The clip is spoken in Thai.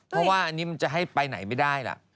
เพราะว่าอันนี้มันจะให้ไปไหนไม่ได้ล่ะ